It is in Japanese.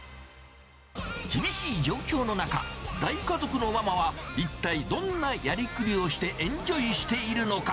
厳しい状況の中、大家族のママは一体どんなやりくりをしてエンジョイしているのか。